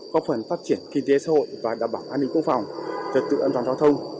có phần phát triển kinh tế xã hội và đảm bảo an ninh quốc phòng trật tự an toàn giao thông